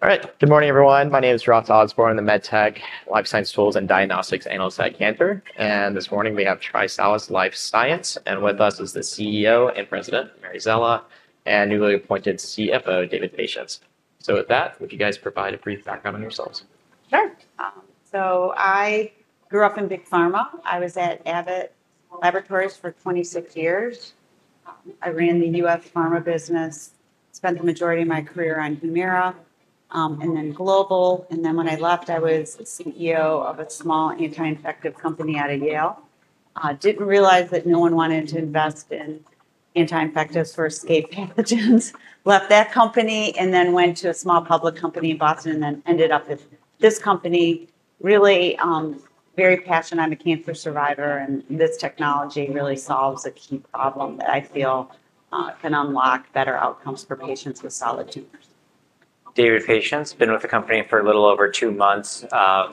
All right, good morning everyone. My name is Ross Osborne, MedTech, Life Science Tools, and Diagnostics Analyst at Gantt. This morning we have TriSalus Life Sciences, and with us is the CEO and President, Mary Szela, and newly appointed CFO, David Patience. Would you guys provide a brief background on yourselves? Sure. I grew up in big pharma. I was at Abbott Laboratories for 26 years. I ran the U.S. pharma business, spent the majority of my career on Humira, and then Global. When I left, I was a CEO of a small anti-infective company out of Yale. I didn't realize that no one wanted to invest in anti-infectious or escape pathogens. I left that company and then went to a small public company in Boston and then ended up at this company. I'm really very passionate. I'm a cancer survivor, and this technology really solves a key problem that I feel can unlock better outcomes for patients with solid tumors. David Patience, been with the company for a little over two months.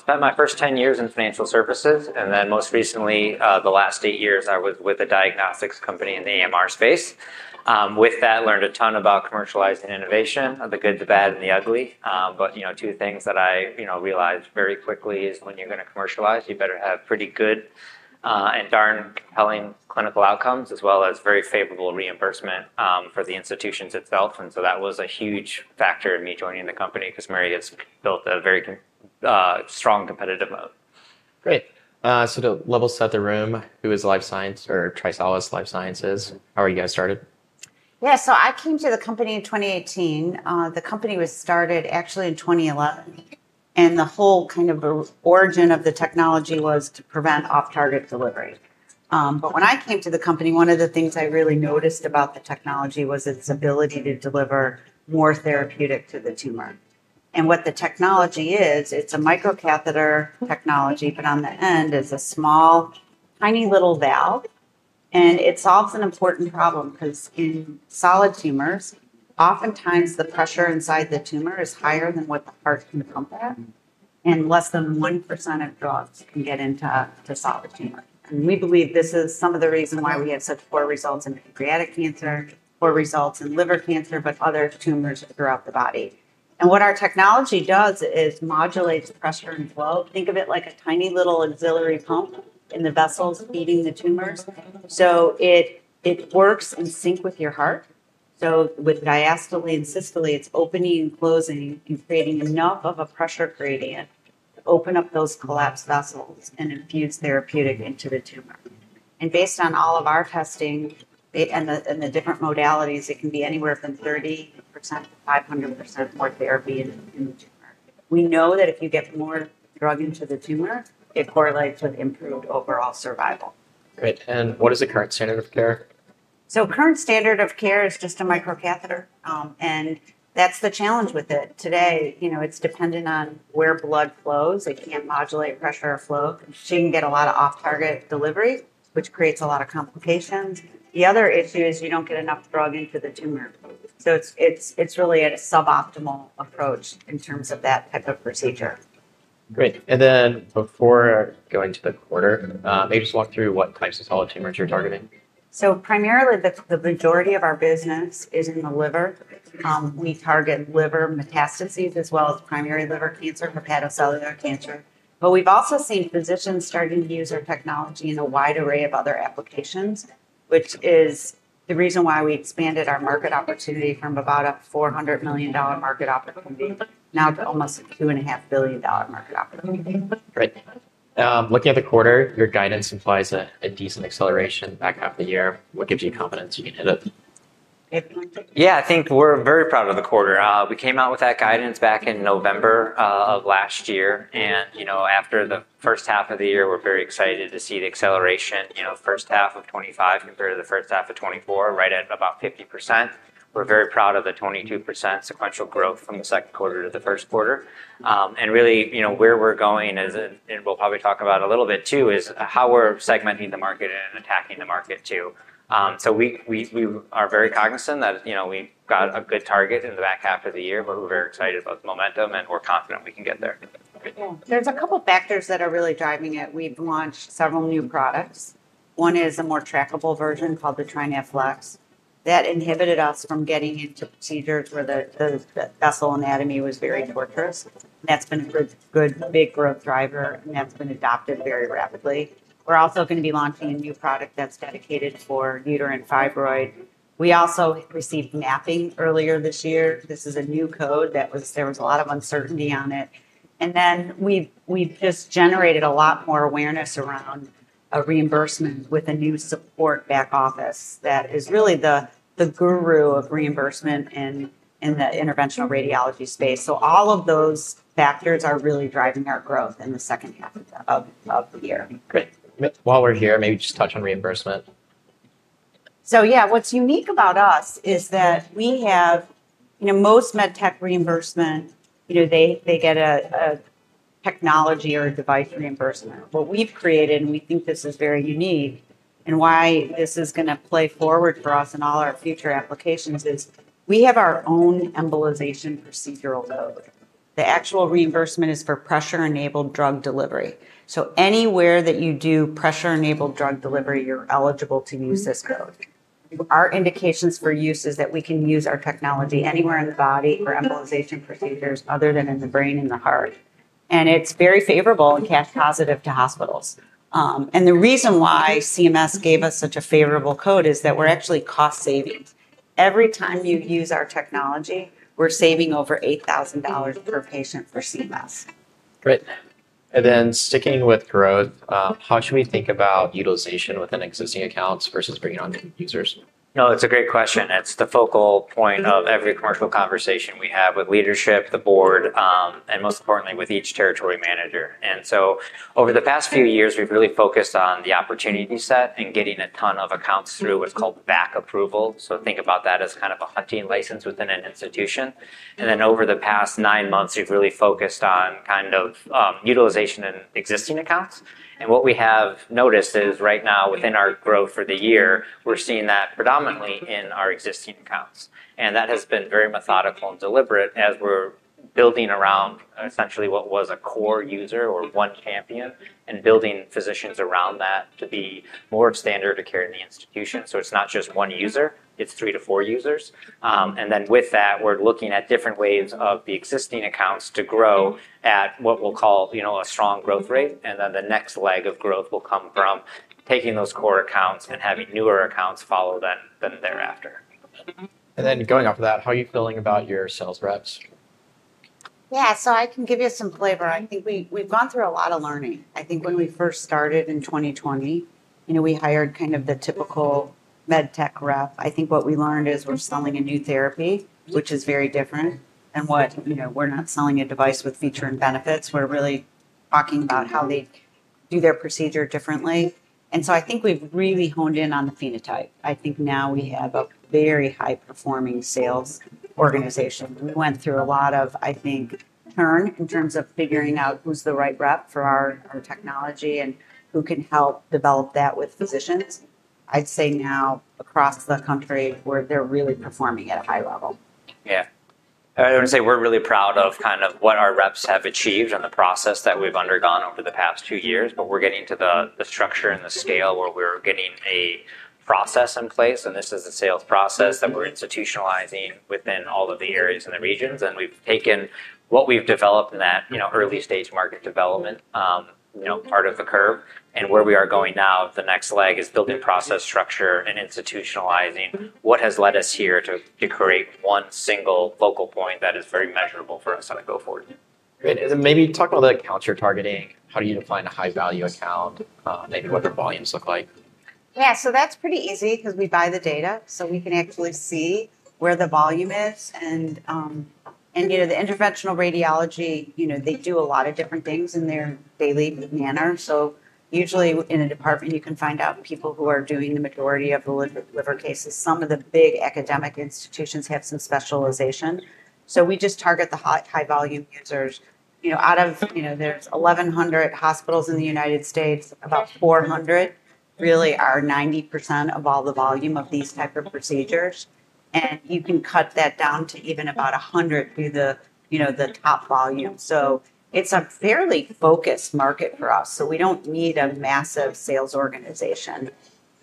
Spent my first 10 years in financial services, and then most recently, the last eight years I was with a diagnostics company in the AMR space. With that, learned a ton about commercializing innovation, the good, the bad, and the ugly. Two things that I realized very quickly is when you're going to commercialize, you better have pretty good, and darn compelling clinical outcomes, as well as very favorable reimbursement, for the institutions itself. That was a huge factor in me joining the company because Mary has built a very good, strong competitive moat. Great. To level set the room, who is TriSalus Life Sciences? How are you guys started? Yeah, so I came to the company in 2018. The company was started actually in 2011. The whole kind of origin of the technology was to prevent off-target delivery. When I came to the company, one of the things I really noticed about the technology was its ability to deliver more therapeutic to the tumor. What the technology is, it's a microcatheter technology, but on the end is a small, tiny little valve. It solves an important problem because in solid tumors, oftentimes the pressure inside the tumor is higher than what the heart can overcome. Less than 1% of drugs can get into solid tumors. We believe this is some of the reasons why we have such poor results in pancreatic cancer, poor results in liver cancer, and other tumors throughout the body. What our technology does is modulate the pressure and flow. Think of it like a tiny little auxiliary pump in the vessels feeding the tumors. It works in sync with your heart. With diastole and systole, it's opening and closing and creating enough of a pressure gradient to open up those collapsed vessels and infuse therapeutic into the tumor. Based on all of our testing and the different modalities, it can be anywhere from 30% - 500% more therapy in the tumor. We know that if you get more drug into the tumor, it correlates with improved overall survival. What is the current standard of care? The current standard of care is just a microcatheter, and that's the challenge with it. Today, you know, it's dependent on where blood flows. It can't modulate pressure or flow. You can get a lot of off-target delivery, which creates a lot of complications. The other issue is you don't get enough drug into the tumor, so it's really a suboptimal approach in terms of that type of procedure. Great. Before going to the quarter, maybe just walk through what types of solid tumors you're targeting. Primarily, the majority of our business is in the liver. We target liver metastases as well as primary liver cancer, hepatocellular carcinoma. We've also seen physicians starting to use our technology in a wide array of other applications, which is the reason why we expanded our market opportunity from about a $400 million market opportunity now to almost a $2.5 billion market opportunity. Great. Looking at the quarter, your guidance implies a decent acceleration back half the year. What gives you confidence you can hit it? Yeah, I think we're very proud of the quarter. We came out with that guidance back in November of last year. After the first half of the year, we're very excited to see the acceleration, you know, first half of 2025 compared to the first half of 2024, right at about 50%. We're very proud of the 22% sequential growth from the second quarter to the first quarter. Really, where we're going is, and we'll probably talk about it a little bit too, is how we're segmenting the market and attacking the market too. We are very cognizant that we got a good target in the back half of the year, but we're very excited about the momentum and we're confident we can get there. are a couple of factors that are really driving it. We've launched several new products. One is a more trackable version called the TriNaflex. That inhibited us from getting into procedures where the vessel anatomy was very tortuous. That's been a good, big growth driver, and that's been adopted very rapidly. We're also going to be launching a new product that's dedicated for uterine fibroid solutions. We also received mapping earlier this year. This is a new code that was, there was a lot of uncertainty on it. We've just generated a lot more awareness around reimbursement with a new support back office that is really the guru of reimbursement in the interventional radiology space. All of those factors are really driving our growth in the second half of the year. Great. While we're here, maybe just touch on reimbursement. What's unique about us is that we have, you know, most medtech reimbursement, you know, they get a technology or a device reimbursement. What we've created, and we think this is very unique, and why this is going to play forward for us in all our future applications, is we have our own embolization procedural code. The actual reimbursement is for Pressure-Enabled Drug Delivery. Anywhere that you do Pressure-Enabled Drug Delivery, you're eligible to use this code. Our indications for use is that we can use our technology anywhere in the body for embolization procedures other than in the brain and the heart. It's very favorable and cash positive to hospitals. The reason why CMS gave us such a favorable code is that we're actually cost savings. Every time you use our technology, we're saving over $8,000 per patient for CMS. Great. Sticking with growth, how should we think about utilization within existing accounts versus bringing on new users? No, that's a great question. It's the focal point of every commercial conversation we have with leadership, the board, and most importantly with each Territory Manager. Over the past few years, we've really focused on the opportunity set and getting a ton of accounts through what's called back approval. Think about that as kind of a hunting license within an institution. Over the past nine months, we've really focused on utilization in existing accounts. What we have noticed is right now within our growth for the year, we're seeing that predominantly in our existing accounts. That has been very methodical and deliberate as we're building around essentially what was a core user or one champion and building physicians around that to be more of standard of care in the institution. It's not just one user, it's three to four users. With that, we're looking at different ways of the existing accounts to grow at what we'll call, you know, a strong growth rate. The next leg of growth will come from taking those core accounts and having newer accounts follow them thereafter. How are you feeling about your sales reps? Yeah, I can give you some flavor. I think we've gone through a lot of learning. When we first started in 2020, we hired kind of the typical medtech rep. What we learned is we're selling a new therapy, which is very different than what, you know, we're not selling a device with feature and benefits. We're really talking about how they do their procedure differently. I think we've really honed in on the phenotype. Now we have a very high-performing sales organization. We went through a lot of churn in terms of figuring out who's the right rep for our technology and who can help develop that with physicians. I'd say now across the country, they're really performing at a high level. Yeah. I would say we're really proud of kind of what our reps have achieved and the process that we've undergone over the past two years. We're getting to the structure and the scale where we're getting a process in place. This is a sales process that we're institutionalizing within all of the areas and the regions. We've taken what we've developed in that early stage market development part of the curve. Where we are going now, the next leg is building process structure and institutionalizing what has led us here to create one single focal point that is very measurable for us on a go-forward. Great. Maybe talk about the accounts you're targeting. How do you define a high-value account? Maybe what their volumes look like? Yeah, that's pretty easy because we buy the data. We can actually see where the volume is. The interventional radiology, you know, they do a lot of different things in their daily manner. Usually in a department, you can find out people who are doing the majority of the liver cases. Some of the big academic institutions have some specialization. We just target the high-volume users. Out of, you know, there's 1,100 hospitals in the United States, about 400 really are 90% of all the volume of these types of procedures. You can cut that down to even about 100 through the top volume. It's a fairly focused market for us. We don't need a massive sales organization.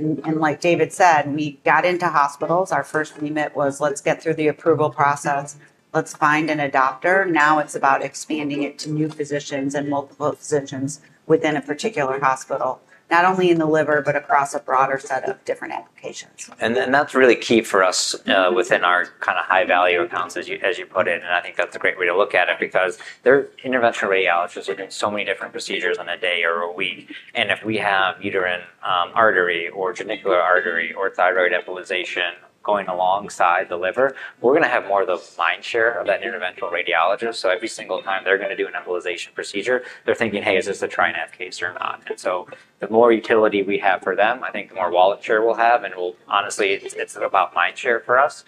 Like David said, we got into hospitals. Our first remit was let's get through the approval process. Let's find an adopter. Now it's about expanding it to new physicians and multiple physicians within a particular hospital, not only in the liver, but across a broader set of different applications. That's really key for us within our kind of high-value accounts as you put it. I think that's a great way to look at it because their interventional radiologists are doing so many different procedures in a day or a week. If we have uterine artery or genicular artery or thyroid embolization going alongside the liver, we're going to have more of the mind share of that interventional radiologist. Every single time they're going to do an embolization procedure, they're thinking, hey, is this a TriNav case or not? The more utility we have for them, I think the more wallet share we'll have. Honestly, it's about mind share for us.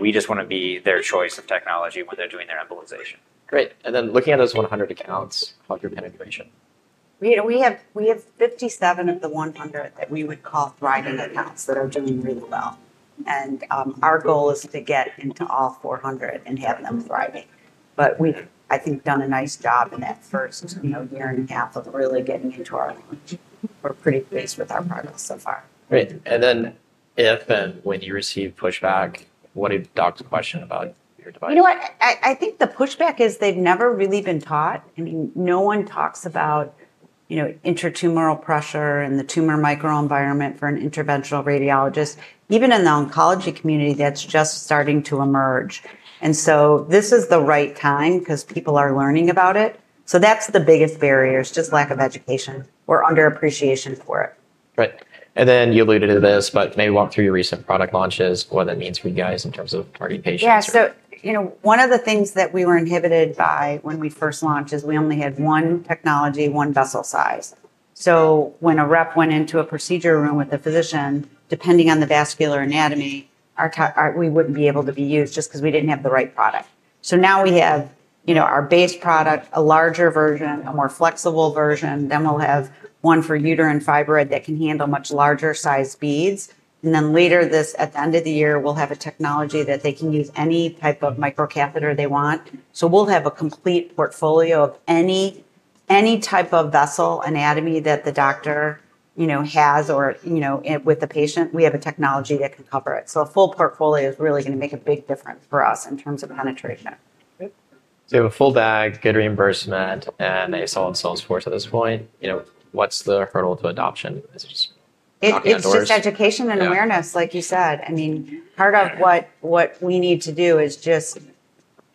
We just want to be their choice of technology when they're doing their embolization. Great. Looking at those 100 accounts, market penetration. We have 57 of the 100 that we would call thriving accounts that are doing really well. Our goal is to get into all 400 and have them thrive. I think we've done a nice job in that first year and a half of really getting into our language. We're pretty pleased with our progress so far. Great. If and when you receive pushback, what do your docs question about your device? I think the pushback is they've never really been taught. I mean, no one talks about intratumoral pressure and the tumor microenvironment for an interventional radiologist, even in the oncology community, that's just starting to emerge. This is the right time because people are learning about it. That's the biggest barrier, just lack of education or underappreciation for it. Right. You alluded to this, but maybe walk through your recent product launches, what that means for you guys in terms of targeting patients. Yeah, one of the things that we were inhibited by when we first launched is we only had one technology, one vessel size. When a rep went into a procedure room with a physician, depending on the vascular anatomy, we wouldn't be able to be used just because we didn't have the right product. Now we have our base product, a larger version, a more flexible version. We'll have one for uterine fibroid that can handle much larger size beads. Later at the end of the year, we'll have a technology that they can use any type of microcatheter they want. We'll have a complete portfolio for any type of vessel anatomy that the doctor has or, with the patient, we have a technology that can cover it. A full portfolio is really going to make a big difference for us in terms of penetration. You have a full bag, good reimbursement, and a solid sales force at this point. You know, what's the hurdle to adoption? It's just education and awareness, like you said. Part of what we need to do is just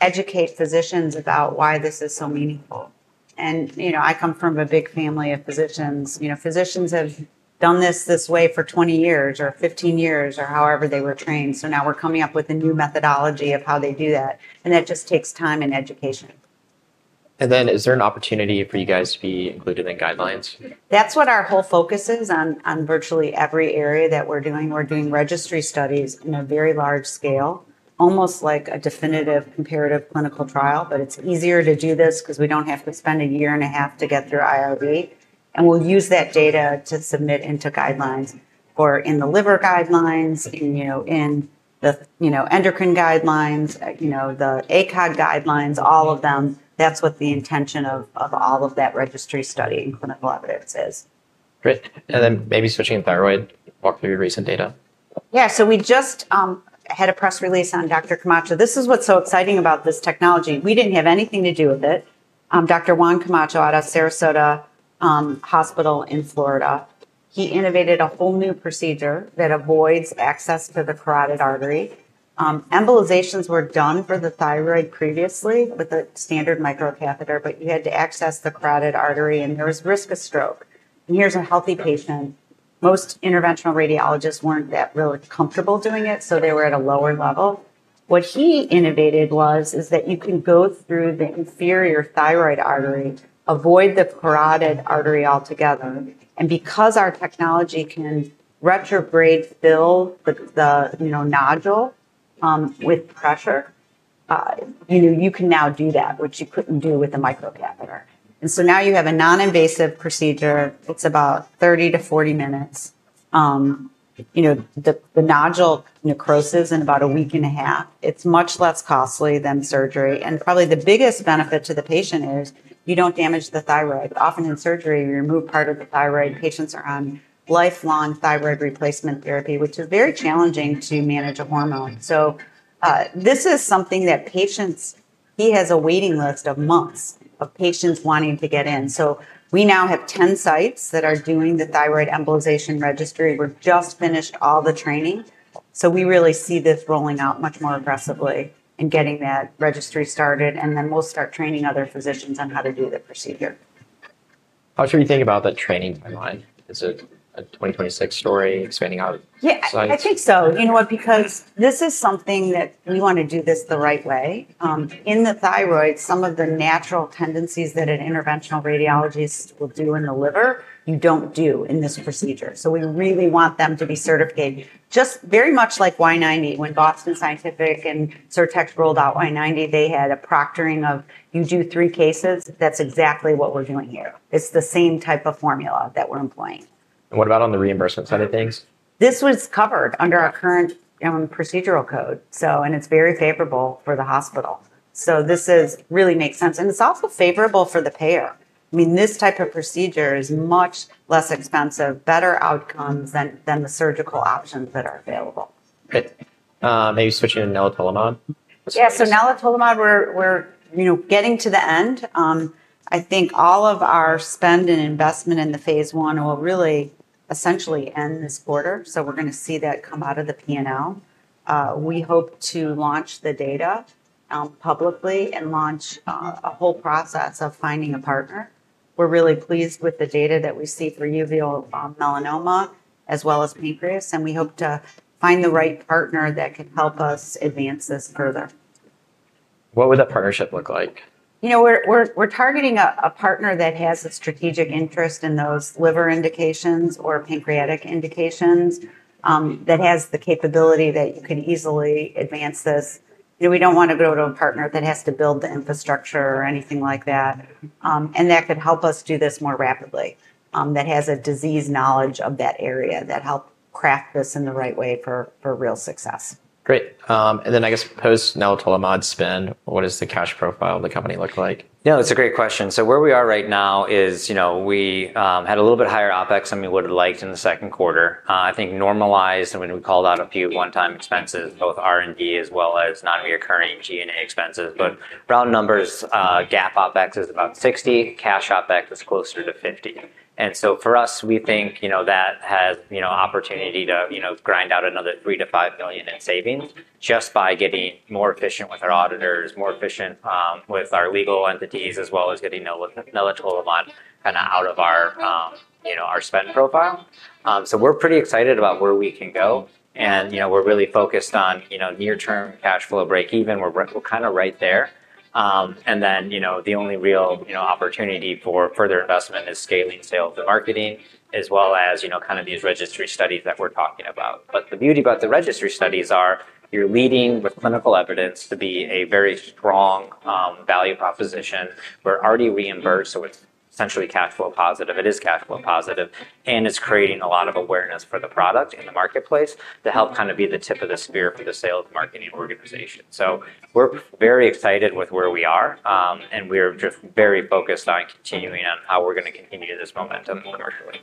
educate physicians about why this is so meaningful. I come from a big family of physicians. Physicians have done this this way for 20 years or 15 years or however they were trained. Now we're coming up with a new methodology of how they do that. That just takes time and education. Is there an opportunity for you guys to be included in guidelines? That's what our whole focus is on virtually every area that we're doing. We're doing registry studies in a very large scale, almost like a definitive comparative clinical trial, but it's easier to do this because we don't have to spend a year and a half to get through IRB. We'll use that data to submit into guidelines, in the liver guidelines, in the endocrine guidelines, the ACOG guidelines, all of them. That's what the intention of all of that registry study and clinical evidence is. Great. Maybe switching thyroid, walk through your recent data. Yeah, we just had a press release on Dr. Juan Camacho. This is what's so exciting about this technology. We didn't have anything to do with it. Dr. Juan Camacho out of Sarasota Hospital in Florida innovated a whole new procedure that avoids access to the carotid artery. Embolizations were done for the thyroid previously with the standard microcatheter, but you had to access the carotid artery and there was risk of stroke. Here's a healthy patient. Most interventional radiologists weren't really comfortable doing it, so they were at a lower level. What he innovated was that you can go through the inferior thyroid artery, avoid the carotid artery altogether. Because our technology can retrograde fill the nodule with pressure, you can now do that, which you couldn't do with a microcatheter. Now you have a non-invasive procedure. It's about 30 to 40 minutes. The nodule necroses in about a week and a half. It's much less costly than surgery. Probably the biggest benefit to the patient is you don't damage the thyroid. Often in surgery, we remove part of the thyroid. Patients are on lifelong thyroid replacement therapy, which is very challenging to manage a hormone. This is something that patients, he has a waiting list of months of patients wanting to get in. We now have 10 sites that are doing the thyroid embolization registry. We just finished all the training. We really see this rolling out much more aggressively and getting that registry started. We'll start training other physicians on how to do the procedure. How should we think about that training timeline? Is it a 2026 story expanding out? I think so. You know what? This is something that we want to do the right way. In the thyroid, some of the natural tendencies that an interventional radiologist will do in the liver, you don't do in this procedure. We really want them to be certified just very much like Y90. When Boston Scientific and Surtech rolled out Y90, they had a proctoring of you do three cases. That's exactly what we're doing here. It's the same type of formula that we're employing. What about on the reimbursement side of things? This was covered under our current embolization procedural code. It is very favorable for the hospital, so this really makes sense. It is also favorable for the payer. I mean, this type of procedure is much less expensive with better outcomes than the surgical options that are available. Good. Maybe switching to nelitolimod? Yeah, so nelitolimod, we're getting to the end. I think all of our spend and investment in the phase one will really essentially end this quarter. We're going to see that come out of the P&L. We hope to launch the data publicly and launch a whole process of finding a partner. We're really pleased with the data that we see through uveal melanoma as well as pancreas, and we hope to find the right partner that can help us advance this further. What would that partnership look like? We're targeting a partner that has a strategic interest in those liver indications or pancreatic indications, that has the capability that you can easily advance this. We don't want to go to a partner that has to build the infrastructure or anything like that, and that could help us do this more rapidly. That has a disease knowledge of that area that helps craft this in the right way for real success. Great. I guess post nelitolimod spend, what does the cash profile of the company look like? Yeah, that's a great question. Where we are right now is, you know, we had a little bit higher OpEx than we would have liked in the second quarter. I think normalized, and when we called out a few one-time expenses, both R&D as well as non-recurring G&A expenses. Round numbers, GAAP OpEx is about $60 million, cash OpEx is closer to $50 million. For us, we think, you know, that has, you know, opportunity to, you know, grind out another $3 million - $5 million in savings just by getting more efficient with our auditors, more efficient with our legal entities, as well as getting nelitolimod kind of out of our, you know, our spend profile. We're pretty excited about where we can go. You know, we're really focused on, you know, near-term cash flow breakeven. We're kind of right there. The only real, you know, opportunity for further investment is scaling sales and marketing, as well as, you know, kind of these registry studies that we're talking about. The beauty about the registry studies is you're leading with clinical evidence to be a very strong value proposition. We're already reimbursed, so it's essentially cash flow positive. It is cash flow positive. It's creating a lot of awareness for the product in the marketplace to help kind of be the tip of the spear for the sale of the marketing organization. We're very excited with where we are, and we're just very focused on continuing on how we're going to continue this momentum commercially.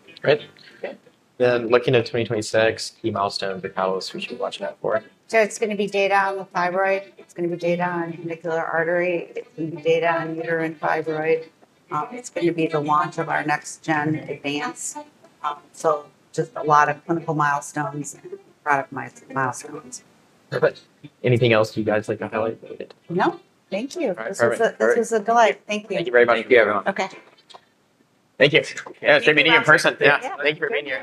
Looking at 2026, key milestones or catalysts we should be watching out for? It’s going to be data on the fibroid, data on genicular artery, and data on uterine fibroid. It’s going to be the launch of our next gen advance. Just a lot of clinical milestones and product milestones. Perfect. Anything else you guys like to highlight? No, thank you. This was a delight. Thank you. Thank you very much. Thank you, everyone. Okay. Thank you. Yeah, it should be me in person. Yeah. Thank you for being here.